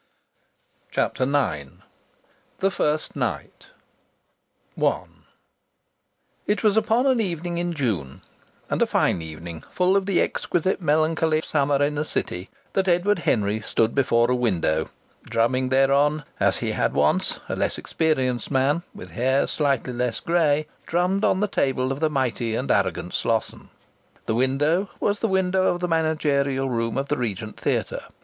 CHAPTER IX THE FIRST NIGHT I It was upon an evening in June and a fine evening, full of the exquisite melancholy of summer in a city that Edward Henry stood before a window, drumming thereon as he had once, a less experienced man with hair slightly less grey, drummed on the table of the mighty and arrogant Slosson. The window was the window of the managerial room of the Regent Theatre.